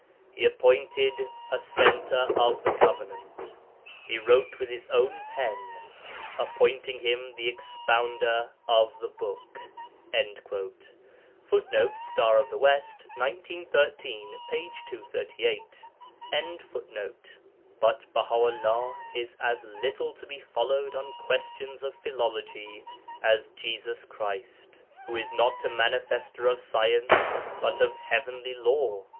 He appointed a Centre of the Covenant, He wrote with his own pen ... appointing him the Expounder of the Book.' [Footnote: Star of the West, 1913, p. 238.] But Baha 'ullah is as little to be followed on questions of philology as Jesus Christ, who is not a manifester of science but of heavenly lore.